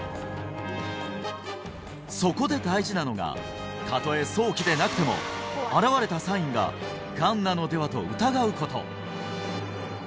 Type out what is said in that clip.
そこで大事なのがたとえ早期でなくてもあらわれたサインが「がんなのでは？」と疑うこと！